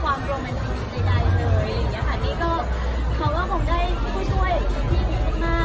เพราะว่าตอนนี้ก็เขาว่าผมได้ผู้ช่วยบีบีนมาก